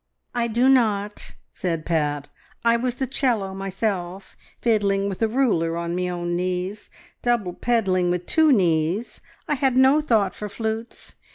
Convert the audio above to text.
"I do not," said Pat. "I was the 'cello myself, fiddling with a ruler on me own knees, double pedalling with two knees! I had no thought for flutes.